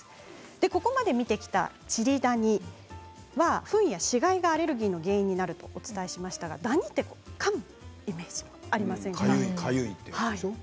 ここまで見てきたチリダニはフンや死骸がアレルギーの原因になるとお伝えしましたがダニはかむイメージありませんか。